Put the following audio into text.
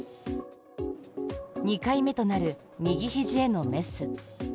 ２回目となる右ひじへのメス。